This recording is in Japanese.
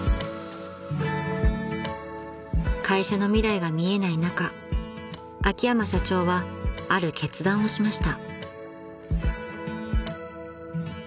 ［会社の未来が見えない中秋山社長はある決断をしました］